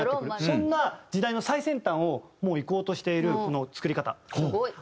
そんな時代の最先端をもういこうとしているこの作り方。